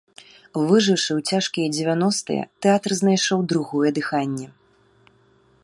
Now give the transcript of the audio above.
Выжыўшы ў цяжкія дзевяностыя, тэатр знайшоў другое дыханне.